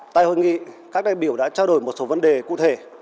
tại hội nghị các đại biểu đã trao đổi một số vấn đề cụ thể